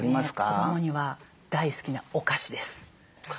子どもには大好きなお菓子です。